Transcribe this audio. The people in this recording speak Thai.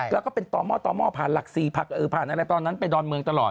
แล้วก็เป็นต่อหม้อต่อหม้อผ่านหลัก๔ผ่านอะไรตอนนั้นไปดอนเมืองตลอด